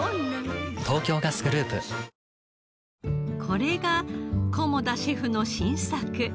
これが菰田シェフの新作。